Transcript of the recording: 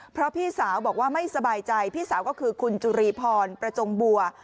เพราะพี่สาวบอกว่าไม่สบายใจพี่สาวก็คือคุณจุรีพรประจงบัว